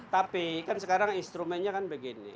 tapi kan sekarang instrumennya kan begini